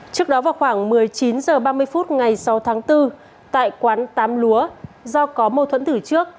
trước đó vào khoảng một mươi chín h ba mươi phút ngày sáu tháng bốn tại quán tám lúa do có mâu thuẫn thử trước